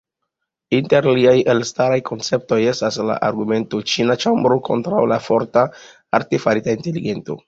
Inter liaj elstaraj konceptoj estas la argumento "Ĉina ĉambro" kontraŭ la "forta" artefarita inteligento.